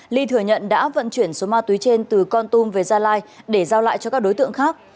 ly thừa nhận đã vận chuyển số ma túy trên từ con tum về gia lai để giao lại cho các đối tượng khác